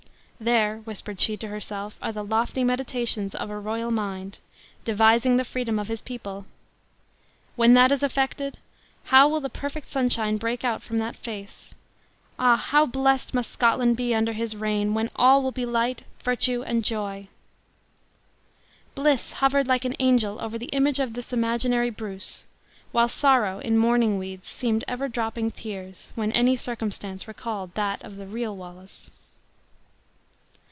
"There," whispered she to herself, "are the lofty meditations of a royal mind, devising the freedom of his people. When that is effected, how will the perfect sunshine break out from that face! Ah! how blest must Scotland be under his reign, when all will be light, virtue, and joy!" Bliss hovered like an angel over the image of this imaginary Bruce; while sorrow, in mourning weeds, seemed ever dropping tears, when any circumstance recalled that of the real Wallace.